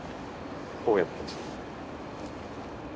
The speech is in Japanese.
こうやって。